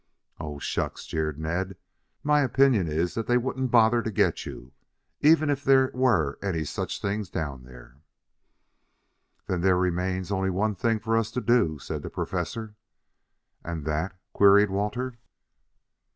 "Oh, shucks!" jeered Ned. "My opinion is that they wouldn't bother to get you, even if there were any such things down there." "Then there remains only one thing for us to do," said the Professor. "And that?" queried Walter.